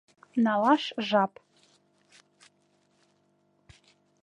— Налаш жап.